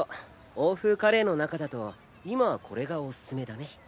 欧風カレーの中だと今はこれがおすすめだね。